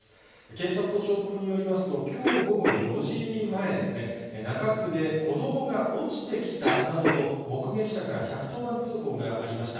警察と消防によりますと、きょう午後４時前ですね、中区で子どもが落ちてきたなどと、目撃者から１１０番通報がありました。